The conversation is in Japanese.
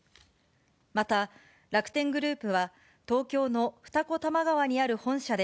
また楽天グループは、東京の二子玉川にある本社で、